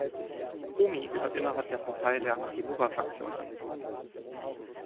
Omi gehört innerhalb der Partei der Machimura-Faktion an.